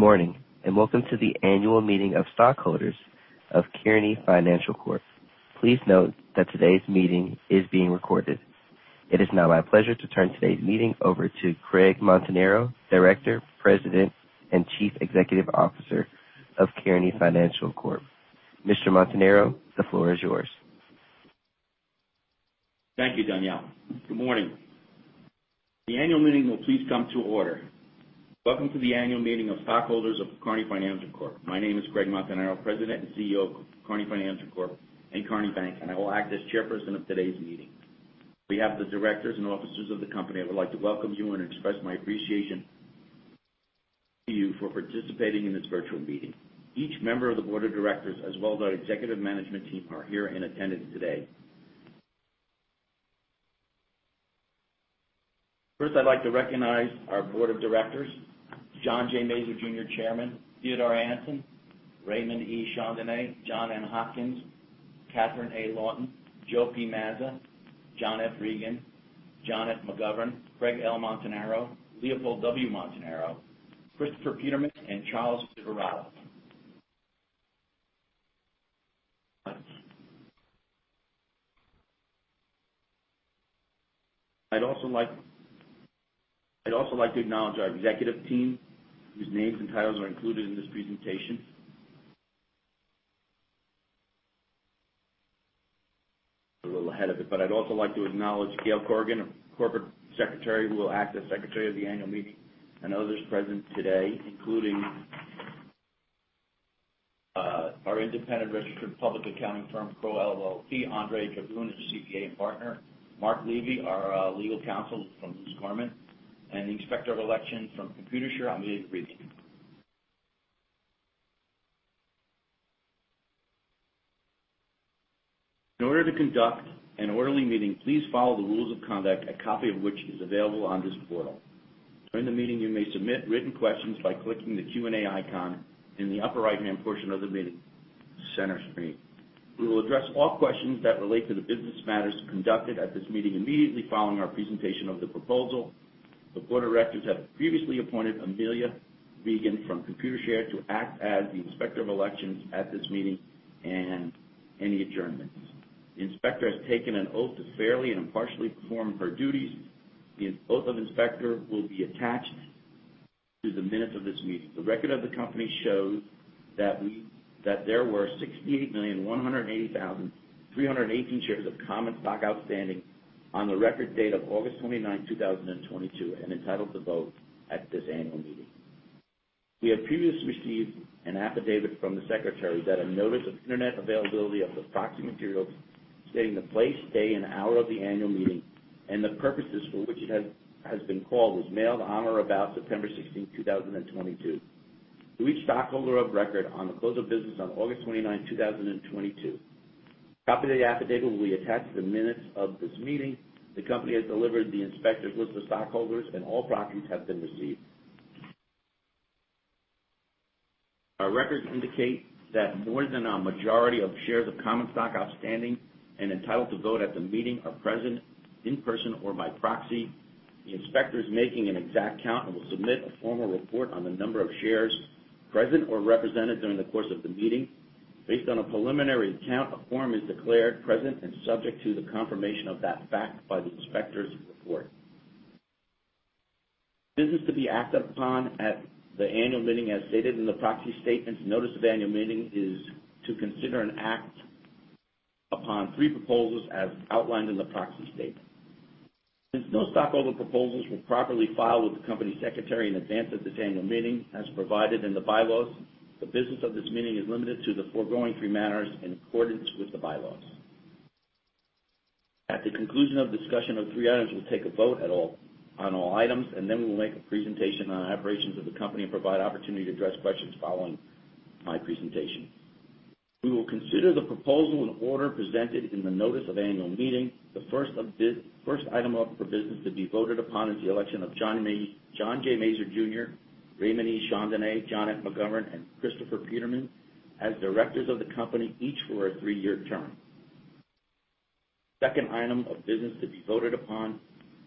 Good morning, and welcome to the annual meeting of stockholders of Kearny Financial Corp. Please note that today's meeting is being recorded. It is now my pleasure to turn today's meeting over to Craig Montanaro, Director, President, and Chief Executive Officer of Kearny Financial Corp. Mr. Montanaro, the floor is yours. Thank you, Danielle. Good morning. The annual meeting will please come to order. Welcome to the annual meeting of stockholders of Kearny Financial Corp. My name is Craig Montanaro, President and CEO of Kearny Financial Corp. and Kearny Bank, and I will act as chairperson of today's meeting. We have the directors and officers of the company. I would like to welcome you and express my appreciation to you for participating in this virtual meeting. Each member of the board of directors, as well as our executive management team, are here in attendance today. First, I'd like to recognize our board of directors, John J. Mazur, Jr., Chairman, Theodore Aanensen, Raymond E. Chandonnet, John N. Hopkins, Catherine A. Lawton, Joe P. Mazza, John F. Regan, John F. McGovern, Craig L. Montanaro, Leopold W. Montanaro, Christopher Petermann, and Charles Pivirotto. I'd also like to acknowledge our executive team, whose names and titles are included in this presentation. A little ahead of it, but I'd also like to acknowledge Gail Corrigan, our Corporate Secretary, who will act as secretary of the annual meeting, and others present today, including our independent registered public accounting firm, Crowe LLP, Andre Caboon, a CPA and partner, Marc Levy, our legal counsel from Luse Gorman, and the Inspector of Election from Computershare, Amy Regan. In order to conduct an orderly meeting, please follow the rules of conduct, a copy of which is available on this portal. During the meeting, you may submit written questions by clicking the Q&A icon in the upper right-hand portion of the meeting center screen. We will address all questions that relate to the business matters conducted at this meeting immediately following our presentation of the proposal. The board of directors have previously appointed Amelia Regan from Computershare to act as the Inspector of Elections at this meeting and any adjournments. The inspector has taken an oath to fairly and impartially perform her duties. The oath of inspector will be attached to the minutes of this meeting. The record of the company shows that there were 68,180,318 shares of common stock outstanding on the record date of August 29th, 2022, and entitled to vote at this annual meeting. We have previously received an affidavit from the secretary that a notice of internet availability of the proxy materials stating the place, day, and hour of the annual meeting and the purposes for which it has been called, was mailed on or about September 16th, 2022, to each stockholder of record on the close of business on August 29th, 2022. A copy of the affidavit will be attached to the minutes of this meeting. The company has delivered the inspector's list of stockholders and all proxies have been received. Our records indicate that more than a majority of shares of common stock outstanding and entitled to vote at the meeting are present in person or by proxy. The inspector is making an exact count and will submit a formal report on the number of shares present or represented during the course of the meeting. Based on a preliminary count, a quorum is declared present and subject to the confirmation of that fact by the inspector's report. Business to be acted upon at the annual meeting as stated in the proxy statement and notice of annual meeting is to consider and act upon three proposals as outlined in the proxy statement. Since no stockholder proposals were properly filed with the company secretary in advance of this annual meeting, as provided in the bylaws, the business of this meeting is limited to the foregoing three matters in accordance with the bylaws. At the conclusion of discussion of the three items, we'll take a vote on all items, and then we will make a presentation on operations of the company and provide opportunity to address questions following my presentation. We will consider the proposal in the order presented in the notice of annual meeting. The first item up for business to be voted upon is the election of John J. Mazur, Jr., Raymond E. Chandonnet, John F. McGovern, and Christopher Petermann, as directors of the company, each for a three-year term. Second item of business to be voted upon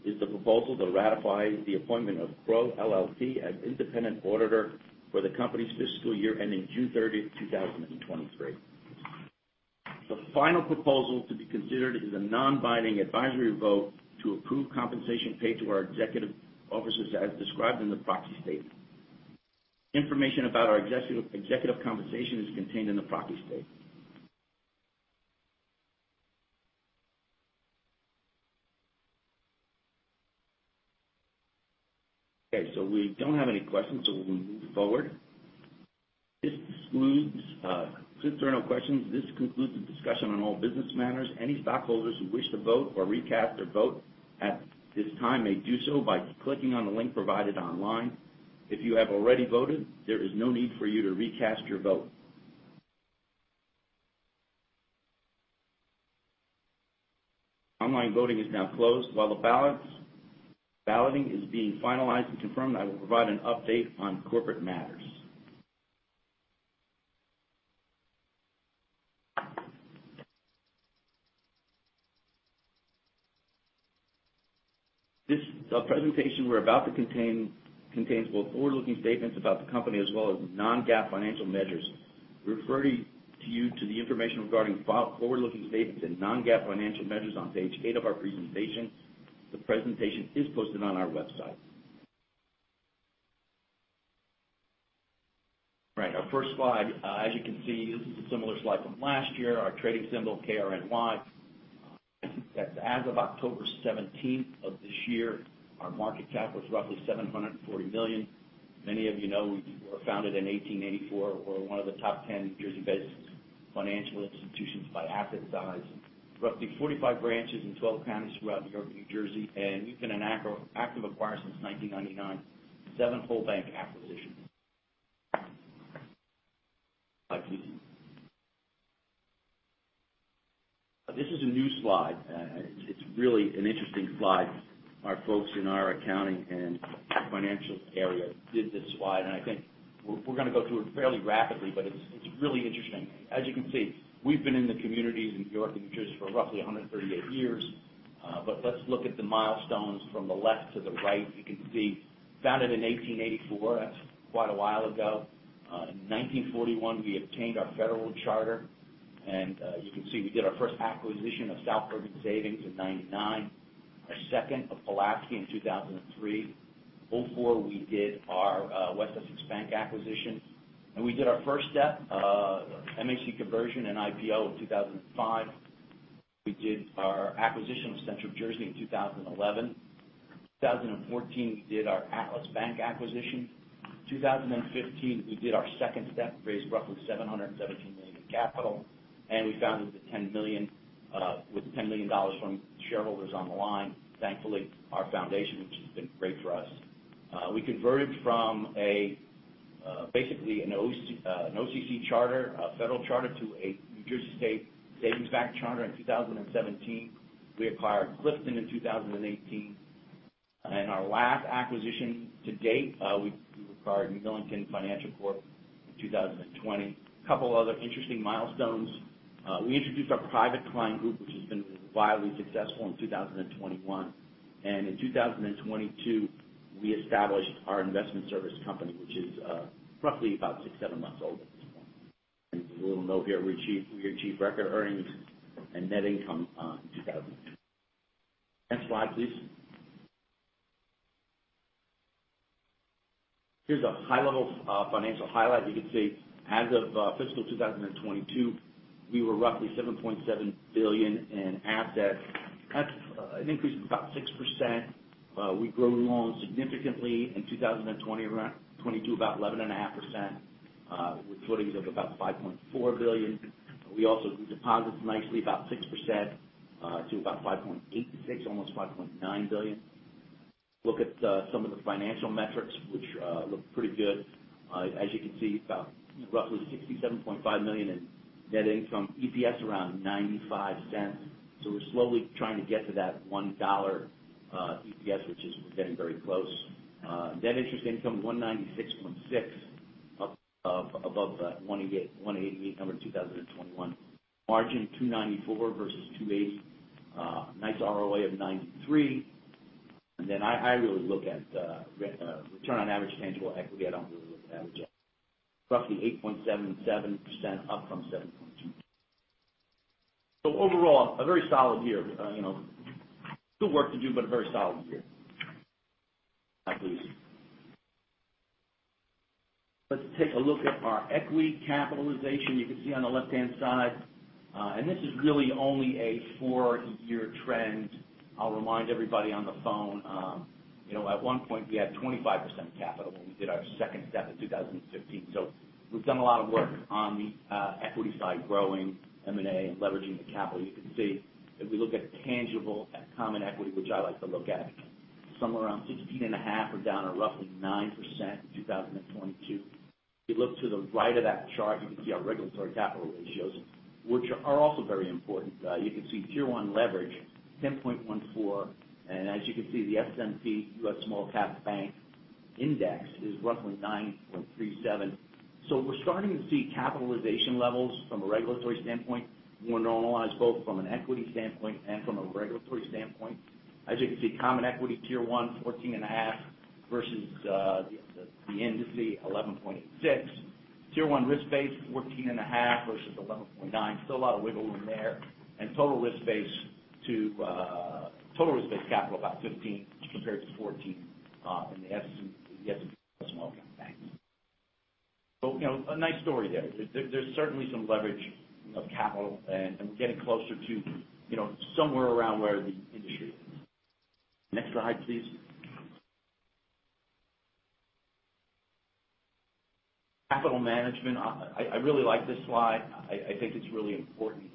is the proposal to ratify the appointment of Crowe LLP as independent auditor for the company's fiscal year ending June 30th, 2023. The final proposal to be considered is a non-binding advisory vote to approve compensation paid to our executive officers as described in the proxy statement. Information about our executive compensation is contained in the proxy statement. Okay. We don't have any questions, so we'll move forward. This concludes, since there are no questions, the discussion on all business matters. Any stockholders who wish to vote or recast their vote at this time may do so by clicking on the link provided online. If you have already voted, there is no need for you to recast your vote. Online voting is now closed. While the balloting is being finalized and confirmed, I will provide an update on corporate matters. This presentation contains both forward-looking statements about the company as well as non-GAAP financial measures. Referring you to the information regarding forward-looking statements and non-GAAP financial measures on page eight of our presentation. The presentation is posted on our website. Right. Our first slide, as you can see, this is a similar slide from last year, our trading symbol KRNY. As of October 17th of this year, our market cap was roughly $740 million. Many of you know we were founded in 1884. We're one of the top 10 New Jersey-based financial institutions by asset size. Roughly 45 branches in 12 counties throughout New York and New Jersey, and we've been an active acquirer since 1999, seven whole bank acquisitions. Next slide, please. This is a new slide. It's really an interesting slide. Our folks in our accounting and financial area did this slide, and I think we're gonna go through it fairly rapidly, but it's really interesting. As you can see, we've been in the communities in New York and New Jersey for roughly 138 years, but let's look at the milestones from the left to the right. You can see, founded in 1884. That's quite a while ago. In 1941, we obtained our federal charter. As you can see, we did our first acquisition of South Bergen Savings Bank in 1999. Our second of Pulaski Savings Bank in 2003. 2004, we did our West Essex Bank acquisition. We did our first step MHC conversion and IPO in 2005. We did our acquisition of Central Jersey Bancorp in 2011. 2014, we did our Atlas Bank acquisition. 2015, we did our second step, raised roughly $717 million in capital. We funded with $10 million from shareholders on the line. Thankfully, our funding, which has been great for us. We converted from basically an OCC charter, a federal charter to a New Jersey State Savings Bank charter in 2017. We acquired Clifton in 2018. Our last acquisition to date, we acquired MSB Financial Corp. in 2020. Couple other interesting milestones. We introduced our private client group, which has been wildly successful in 2021. In 2022, we established our investment service company, which is roughly about six, seven months old at this point. A little note here, we achieved record earnings and net income in 2022. Next slide, please. Here's a high-level financial highlight. You can see as of fiscal 2022, we were roughly $7.7 billion in assets. That's an increase of about 6%. We grew loans significantly in 2020 around 2022, about 11.5%, with footings of about $5.4 billion. We also grew deposits nicely, about 6%, to about $5.86 billion, almost $5.9 billion. Look at some of the financial metrics, which look pretty good. As you can see, about roughly $67.5 million in net income. EPS around $0.95. We're slowly trying to get to that $1 EPS, which is getting very close. Net interest income $196.6 million above the $188 million number in 2021. Margin 2.94% versus 2.80%. Nice ROA of 0.93%. I really look at return on average tangible equity. I don't really look at average equity. Roughly 8.77% up from 7.22%. Overall, a very solid year. You know, still work to do, but a very solid year. Next slide, please. Let's take a look at our equity capitalization. You can see on the left-hand side, and this is really only a four-year trend. I'll remind everybody on the phone, you know, at one point we had 25% capital when we did our second step in 2015. We've done a lot of work on the equity side, growing M&A and leveraging the capital. You can see if we look at tangible common equity, which I like to look at, somewhere around 16.5% down to roughly 9% in 2022. If you look to the right of that chart, you can see our regulatory capital ratios, which are also very important. You can see Tier 1 leverage 10.14%. As you can see, the S&P U.S. Small Cap Banks Index is roughly 9.37%. We're starting to see capitalization levels from a regulatory standpoint more normalized, both from an equity standpoint and from a regulatory standpoint. As you can see, common equity Tier 1, 14.5% versus the industry 11.86%. Tier 1 risk-based, 14.5% versus 11.9%. Still a lot of wiggle room there. Total risk-based capital about 15% compared to 14% in the S&P Small Cap Banks. You know, a nice story there. There's certainly some leverage of capital and we're getting closer to, you know, somewhere around where the industry is. Next slide, please. Capital management. I really like this slide. I think it's really important.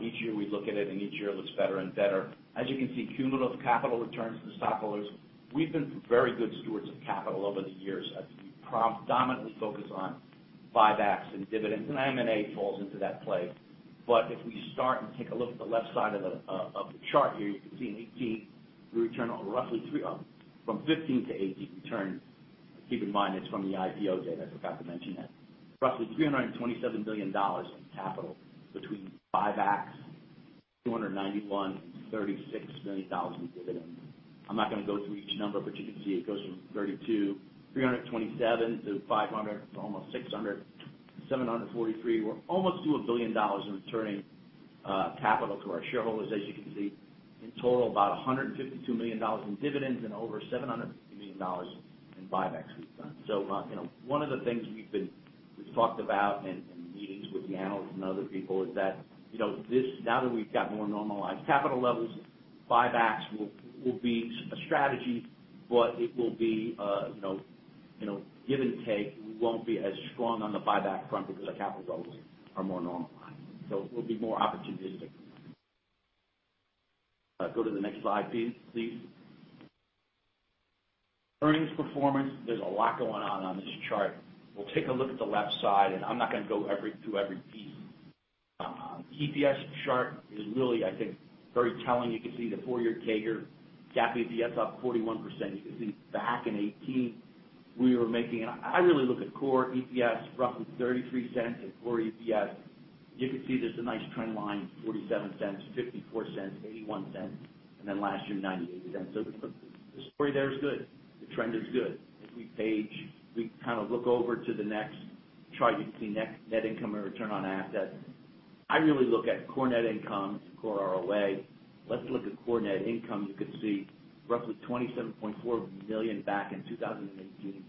Each year we look at it, and each year it looks better and better. As you can see, cumulative capital returns to stockholders. We've been very good stewards of capital over the years as we predominantly focus on buybacks and dividends, and M&A falls into that play. If we start and take a look at the left side of the chart here, you can see in 2018 we returned roughly $3, from 2015 to 2018, we returned. Keep in mind it's from the IPO date. I forgot to mention that. Roughly $327 million in capital between buybacks, $291.36 million in dividends. I'm not gonna go through each number, but you can see it goes from $32 million, $327 million-$500 million, to almost $600 million, $743 million. We're almost to $1 billion in returning capital to our shareholders. As you can see, in total, about $152 million in dividends and over $750 million in buybacks we've done. You know, one of the things we've talked about in meetings with the analysts and other people is that, you know, now that we've got more normalized capital levels, buybacks will be a strategy, but it will be, you know, give and take. We won't be as strong on the buyback front because our capital levels are more normalized, so it will be more opportunistic. Go to the next slide, please. Earnings performance. There's a lot going on on this chart. We'll take a look at the left side, and I'm not gonna go through every piece. EPS chart is really, I think, very telling. You can see the four-year CAGR. GAAP EPS up 41%. You can see back in 2018. I really look at core EPS, roughly $0.33 and core EPS. You can see there's a nice trend line, $0.47, $0.54, $0.81, and then last year, $0.98. So the story there is good. The trend is good. As we page, we kind of look over to the next chart. You can see net income and return on assets. I really look at core net income, core ROA. Let's look at core net income. You can see roughly $27.4 million back in 2018.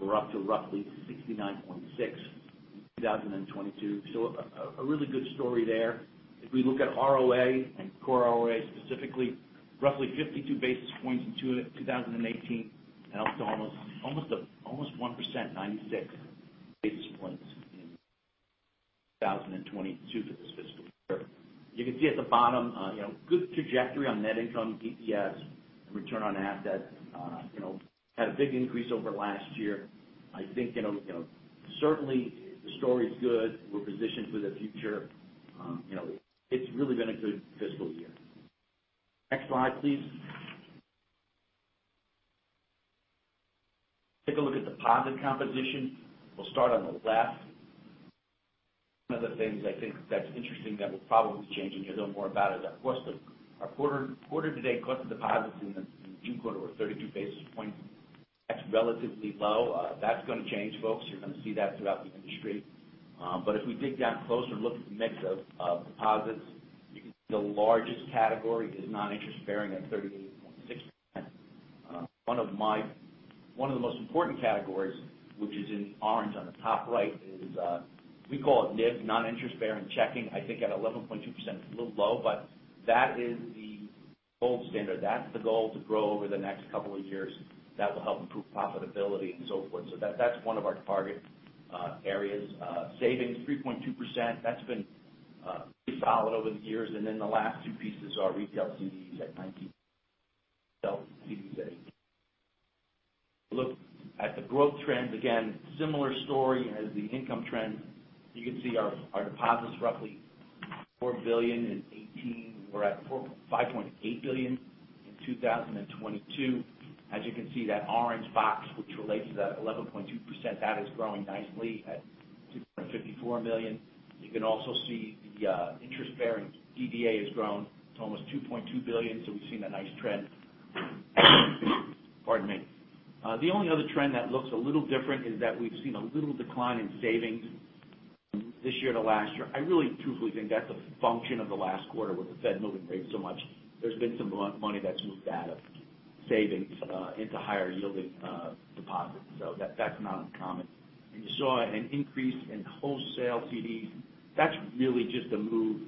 We're up to roughly $69.6 million in 2022. So a really good story there. If we look at ROA and core ROA specifically, roughly 52 basis points in 2018, and up to almost 1%, 96 basis points in 2022 for this fiscal year. You can see at the bottom, you know, good trajectory on net income, EPS and return on assets. You know, had a big increase over last year. I think, you know, certainly the story's good. We're positioned for the future. You know, it's really been a good fiscal year. Next slide, please. Take a look at deposit composition. We'll start on the left. One of the things I think that's interesting that will probably be changing, you'll know more about is our quarter-to-date cost of deposits in the June quarter were 32 basis points. That's relatively low. That's gonna change, folks. You're gonna see that throughout the industry. But if we dig down closer, look at the mix of deposits, you can see the largest category is non-interest bearing at 38.6%. One of the most important categories, which is in orange on the top right, is we call it NIB, non-interest bearing checking. I think at 11.2% it's a little low, but that is the gold standard. That's the goal to grow over the next couple of years. That will help improve profitability and so forth. That's one of our target areas. Savings, 3.2%. That's been pretty solid over the years. The last two pieces are retail CDs at 19% wholesale CDs. If you look at the growth trends, again, similar story as the income trends. You can see our deposits roughly $4 billion in 2018. We're at $5.8 billion in 2022. As you can see, that orange box, which relates to that 11.2%, that is growing nicely at $2.54 million. You can also see the interest-bearing DDA has grown to almost $2.2 billion, so we've seen a nice trend. Pardon me. The only other trend that looks a little different is that we've seen a little decline in savings from this year to last year. I really truthfully think that's a function of the last quarter with the Fed moving rates so much. There's been some money that's moved out of savings into higher yielding deposits. That's not uncommon. You saw an increase in wholesale CDs. That's really just a move.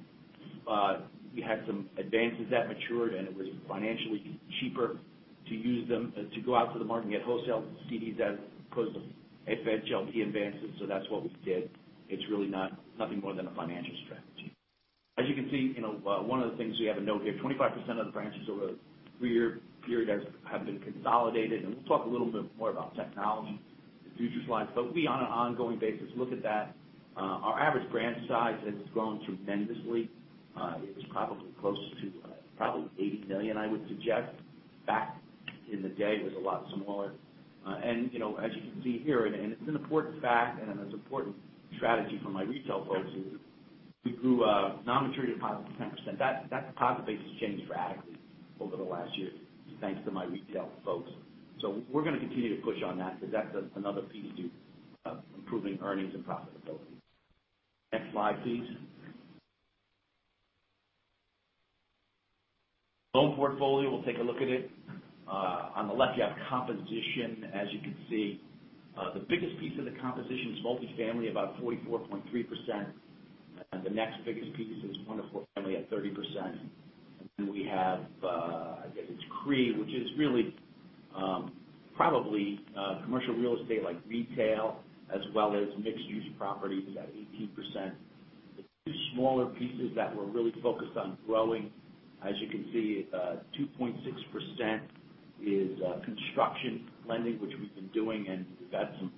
We had some advances that matured, and it was financially cheaper to go out to the market and get wholesale CDs as opposed to FHLB advances, so that's what we did. It's really not nothing more than a financial strategy. As you can see, you know, one of the things we have a note here, 25% of the branches over a three-year period have been consolidated, and we'll talk a little bit more about technology in the future slides. We on an ongoing basis look at that. Our average branch size has grown tremendously. It was probably close to $80 million, I would suggest. Back in the day, it was a lot smaller. You know, as you can see here, it's an important fact and an important strategy for my retail folks is we grew non-maturity deposits 10%. That deposit base has changed radically over the last year thanks to my retail folks. We're gonna continue to push on that because that's another key to improving earnings and profitability. Next slide, please. Loan portfolio, we'll take a look at it. On the left, you have composition. As you can see, the biggest piece of the composition is multifamily, about 44.3%. The next biggest piece is one-four family at 30%. Then we have, I think it's CRE, which is really, probably, commercial real estate like retail as well as mixed use properties is at 18%. The two smaller pieces that we're really focused on growing, as you can see, 2.6% is construction lending, which we've been doing, and we've had some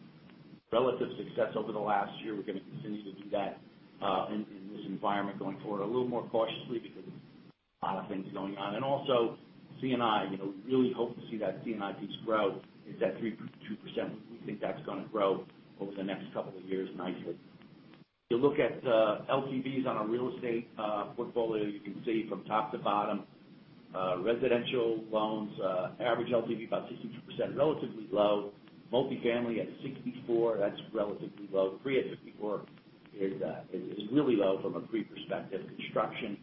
relative success over the last year. We're gonna continue to do that in this environment going forward a little more cautiously because of a lot of things going on. Also C&I, you know, we really hope to see that C&I piece grow. It's at 3.2%. We think that's gonna grow over the next couple of years nicely. If you look at LTVs on our real estate portfolio, you can see from top to bottom residential loans average LTV about 62%, relatively low. Multifamily at 64%, that's relatively low. CRE at 54% is really low from a CRE perspective. Construction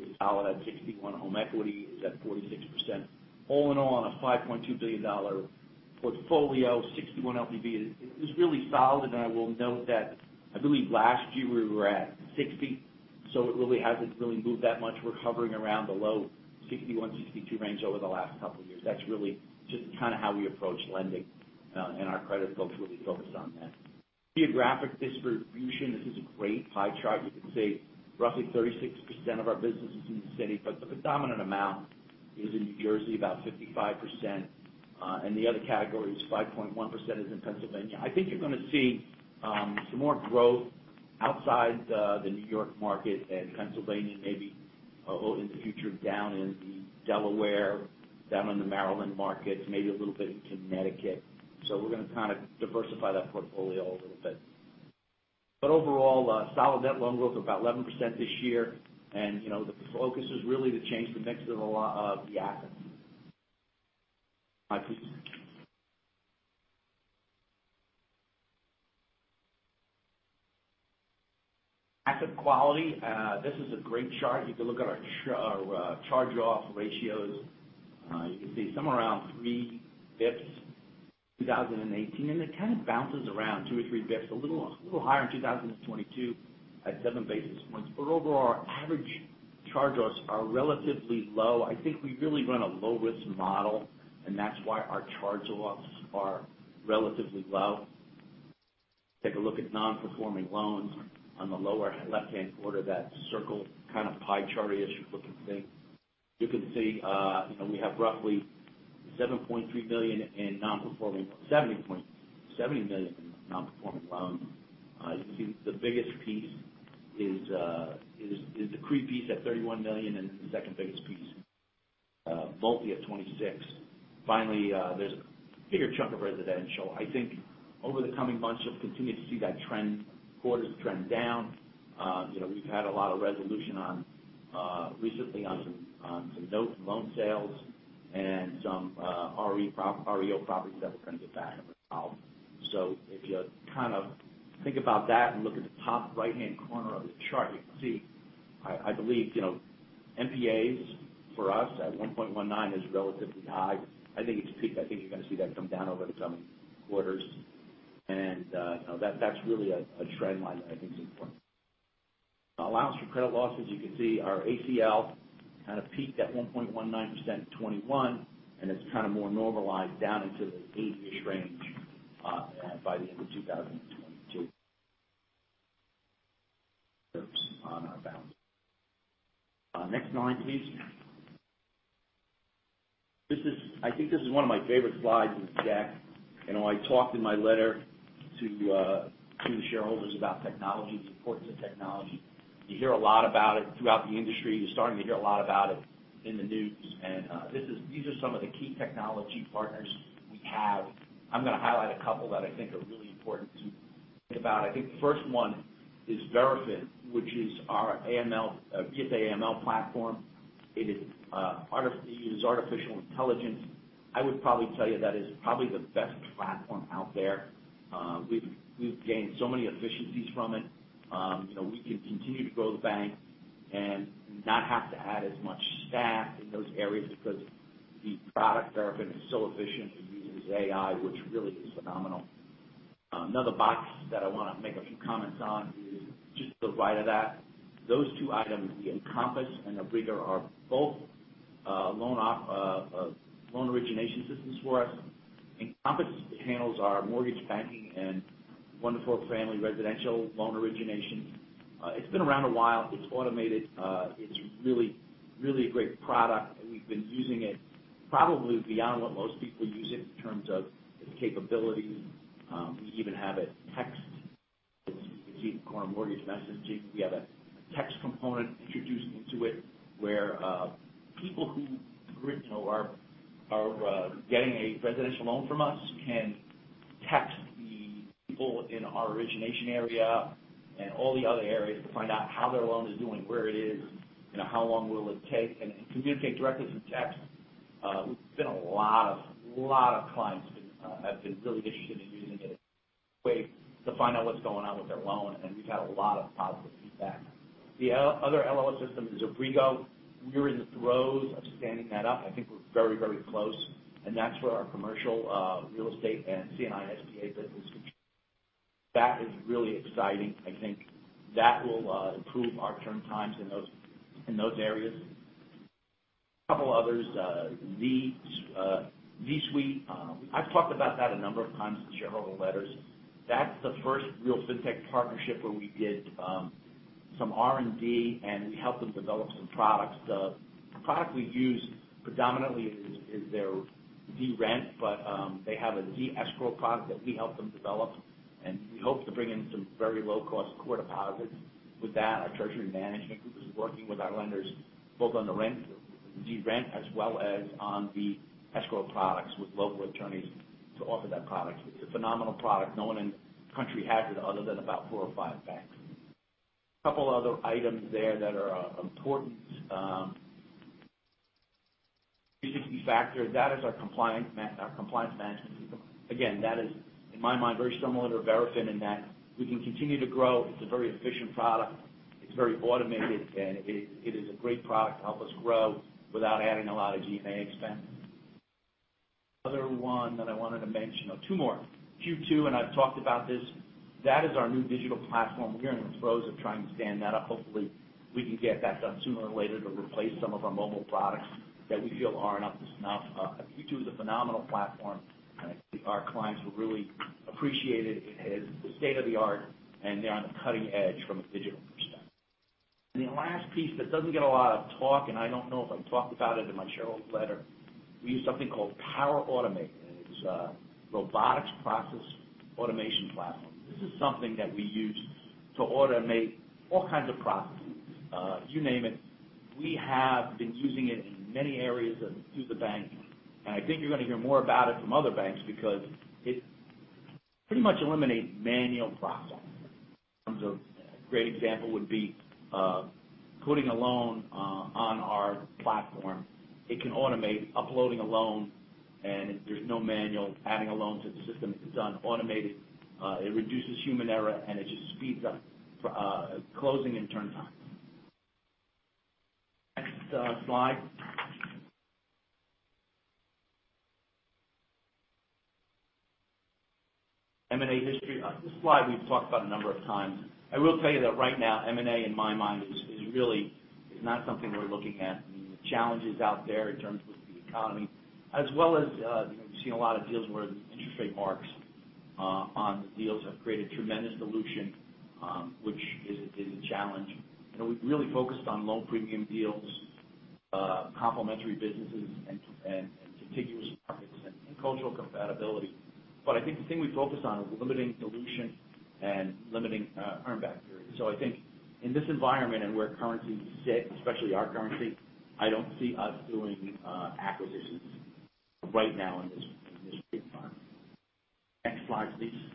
is solid at 61%. Home equity is at 46%. All in all, in a $5.2 billion portfolio, 61% LTV is really solid. I will note that I believe last year we were at 60%, so it really hasn't really moved that much. We're hovering around the low 61%-62% range over the last couple years. That's really just kind of how we approach lending, and our credit folks really focus on that. Geographic distribution. This is a great pie chart. You can see roughly 36% of our business is in the city, but the predominant amount is in New Jersey, about 55%. And the other category is 5.1% is in Pennsylvania. I think you're gonna see some more growth outside the New York market and Pennsylvania, maybe a little in the future down in the Delaware, down in the Maryland markets, maybe a little bit into Connecticut. We're gonna kind of diversify that portfolio a little bit. Overall, solid net loan growth of about 11% this year. You know, the focus is really to change the mix of the assets. Next slide, please. Asset quality. This is a great chart. You can look at our charge-off ratios. You can see somewhere around three basis points in 2018. It kind of bounces around two or three basis points, a little higher in 2022 at seven basis points. Overall, our average charge-offs are relatively low. I think we really run a low-risk model, and that's why our charge-offs are relatively low. Take a look at non-performing loans on the lower left-hand corner of that circle kind of pie chart-ish looking thing. You can see, you know, we have roughly $70 million in non-performing loans. You can see the biggest piece is the CRE piece at $31 million, and the second biggest piece, multi at $26 million. Finally, there's a bigger chunk of residential. I think over the coming months you'll continue to see that trend, quarters trend down. You know, we've had a lot of resolution on recently on some note and loan sales and some REO properties that we're trying to get back and resolve. If you kind of think about that and look at the top right-hand corner of the chart, you can see, I believe, you know, NPAs for us at 1.19% is relatively high. I think it's peaked. I think you're gonna see that come down over the coming quarters. You know, that's really a trend line that I think is important. Allowance for credit losses. You can see our ACL kind of peaked at 1.19% in 2021, and it's kind of more normalized down into the 8%-ish range by the end of 2022. On our balance sheet. Next slide, please. This is one of my favorite slides in the deck. You know, I talked in my letter to the shareholders about technology, the importance of technology. You hear a lot about it throughout the industry. You're starting to hear a lot about it in the news. These are some of the key technology partners we have. I'm gonna highlight a couple that I think are really important to think about. I think the first one is Verafin, which is our AML, BSA/AML platform. It is, it uses artificial intelligence. I would probably tell you that is probably the best platform out there. We've gained so many efficiencies from it. You know, we can continue to grow the bank and not have to add as much staff in those areas because the product Verafin is so efficient. It uses AI, which really is phenomenal. Another box that I wanna make a few comments on is just to the right of that. Those two items, the Encompass and Abrigo, are both loan origination systems for us. Encompass handles our mortgage banking and one-family residential loan origination. It's been around a while. It's automated. It's really, really a great product. We've been using it probably beyond what most people use it in terms of the capabilities. We even have a text, as you can see in the corner, mortgage messaging. We have a text component introduced into it where people who, you know, are getting a residential loan from us can text the people in our origination area and all the other areas to find out how their loan is doing, where it is, you know, how long will it take, and communicate directly through text. We've seen a lot of clients have been really interested in using it as a way to find out what's going on with their loan, and we've had a lot of positive feedback. The other LO system is Abrigo. We're in the throes of standing that up. I think we're very, very close, and that's where our commercial real estate and C&I SBA business can. That is really exciting. I think that will improve our turn times in those areas. A couple others. ZSuite. I've talked about that a number of times in shareholder letters. That's the first real FinTech partnership where we did some R&D, and we helped them develop some products. The product we've used predominantly is their ZRent, but they have a ZEscrow product that we help them develop, and we hope to bring in some very low-cost core deposits. With that, our treasury management group is working with our lenders both on the rent, ZRent, as well as on the ZEscrow products with local attorneys to offer that product. It's a phenomenal product. No one in the country has it other than about four or five banks. Couple other items there that are important. Ncontracts, that is our compliance management system. Again, that is, in my mind, very similar to Verafin in that we can continue to grow. It's a very efficient product. It's very automated, and it is a great product to help us grow without adding a lot of G&A expense. Other one that I wanted to mention. Oh, two more. Q2, and I've talked about this, that is our new digital platform. We are in the throes of trying to stand that up. Hopefully, we can get that done sooner or later to replace some of our mobile products that we feel are not up to snuff. Q2 is a phenomenal platform, and I think our clients will really appreciate it. It is state-of-the-art, and they're on the cutting edge from a digital perspective. The last piece that doesn't get a lot of talk, and I don't know if I talked about it in my shareholder letter, we use something called Power Automate, and it is a robotic process automation platform. This is something that we use to automate all kinds of processes. You name it, we have been using it in many areas of, through the bank. I think you're gonna hear more about it from other banks because it pretty much eliminates manual processes. A great example would be putting a loan on our platform. It can automate uploading a loan, and there's no manual adding a loan to the system. It's automated. It reduces human error, and it just speeds up closing and turnaround time. Next slide. M&A history. This slide we've talked about a number of times. I will tell you that right now, M&A in my mind is really not something we're looking at. I mean, the challenges out there in terms of the economy as well as, you know, we've seen a lot of deals where the interest rate marks on the deals have created tremendous dilution, which is a challenge. You know, we've really focused on low premium deals, complementary businesses and contiguous markets and cultural compatibility. I think the thing we focused on was limiting dilution and limiting earnback periods. I think in this environment and where currency sits, especially our currency, I don't see us doing acquisitions right now in this current time. Next slide, please.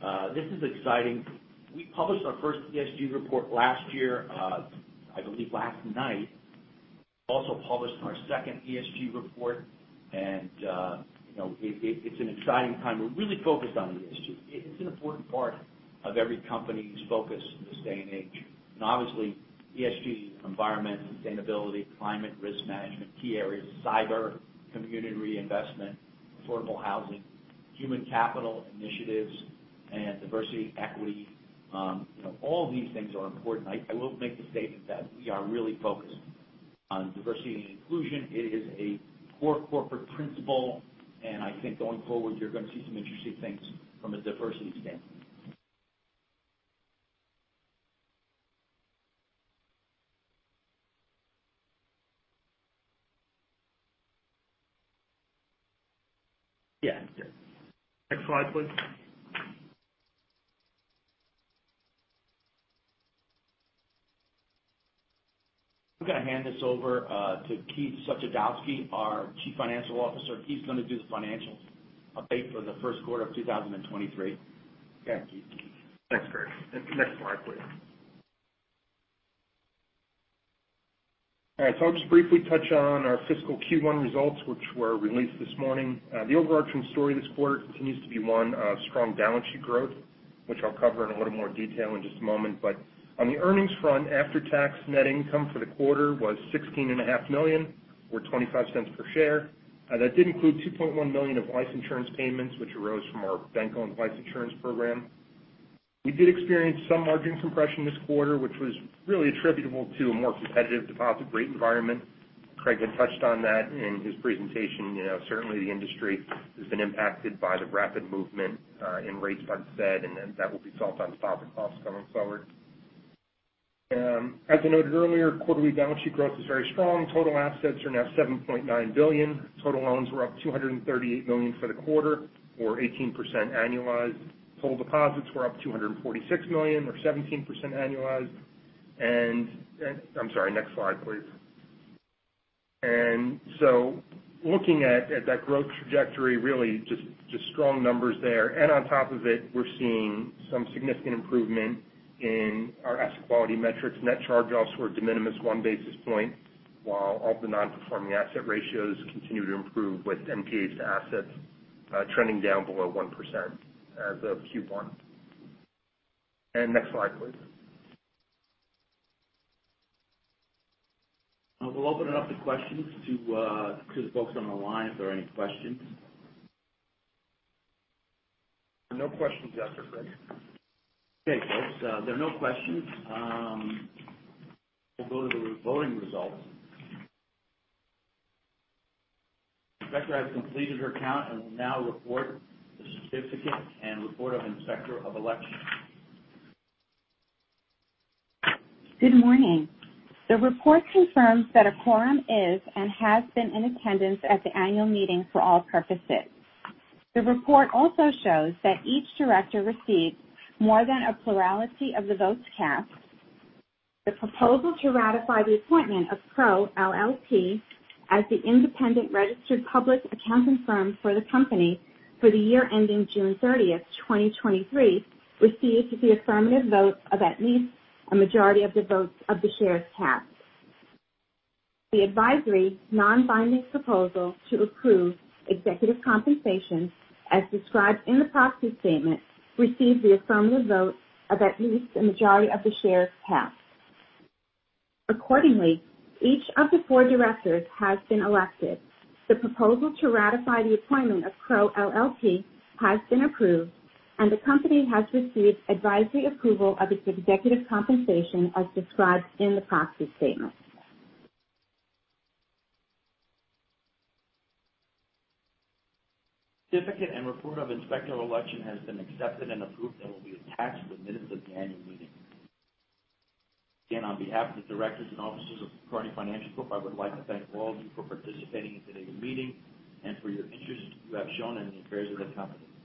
ESG, this is exciting. We published our first ESG report last year. I believe we also published our second ESG report last night. You know, it's an exciting time. We're really focused on ESG. It's an important part of every company's focus in this day and age. Obviously, ESG, environment, sustainability, climate, risk management, key areas, cyber, community reinvestment, affordable housing, human capital initiatives, and diversity, equity, all these things are important. I will make the statement that we are really focused on diversity and inclusion. It is a core corporate principle, and I think going forward, you're gonna see some interesting things from a diversity standpoint. Yeah. Next slide, please. I'm gonna hand this over to Keith Suchodolski, our Chief Financial Officer. Keith's gonna do the financials update for the first quarter of 2023. Go ahead, Keith. Thanks, Craig. Next slide, please. All right, I'll just briefly touch on our fiscal Q1 results, which were released this morning. The overarching story this quarter continues to be one of strong balance sheet growth, which I'll cover in a little more detail in just a moment. On the earnings front, after-tax net income for the quarter was $16.5 million or $0.25 per share. That did include $2.1 million of life insurance payments, which arose from our bank-owned life insurance program. We did experience some margin compression this quarter, which was really attributable to a more competitive deposit rate environment. Craig had touched on that in his presentation. You know, certainly the industry has been impacted by the rapid movement in rates by Fed, and then that will be felt on deposit costs going forward. As I noted earlier, quarterly balance sheet growth is very strong. Total assets are now $7.9 billion. Total loans were up $238 million for the quarter or 18% annualized. Total deposits were up $246 million or 17% annualized. I'm sorry. Next slide, please. Looking at that growth trajectory, really just strong numbers there. On top of it, we're seeing some significant improvement in our asset quality metrics. Net charge-offs were de minimis 1 basis point, while all the non-performing asset ratios continue to improve with NPA assets trending down below 1% as of Q1. Next slide, please. I will open it up to questions to the folks on the line if there are any questions. No questions yet, sir Craig. Okay, folks, there are no questions. We'll go to the voting results. Inspector has completed her count and will now report the certificate and report of inspector of election. Good morning. The report confirms that a quorum is and has been in attendance at the annual meeting for all purposes. The report also shows that each director received more than a plurality of the votes cast. The proposal to ratify the appointment of Crowe LLP as the independent registered public accounting firm for the company for the year ending June 30th, 2023, received the affirmative vote of at least a majority of the votes of the shares cast. The advisory non-binding proposal to approve executive compensation as described in the proxy statement received the affirmative vote of at least a majority of the shares cast. Accordingly, each of the four directors has been elected. The proposal to ratify the appointment of Crowe LLP has been approved, and the company has received advisory approval of its executive compensation as described in the proxy statement. Certificate and report of inspector of election has been accepted and approved and will be attached to the minutes of the annual meeting. On behalf of the directors and officers of Kearny Financial Corp. I would like to thank all of you for participating in today's meeting and for your interest you have shown in the affairs of the company.